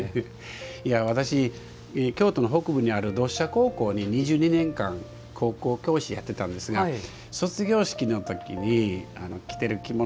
いや私京都の北部にある同志社高校に２２年間高校教師やってたんですが卒業式の時に着てる着物